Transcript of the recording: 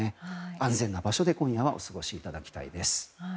安全な場所で今夜はお過ごしいただきたいです。